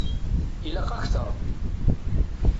Ilaq akter.